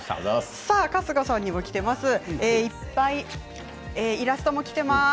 春日さんにもきています。